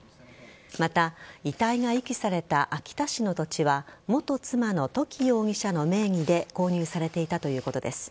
また、遺体が遺棄された秋田市の土地は元妻の土岐容疑者の名義で購入されていたということです。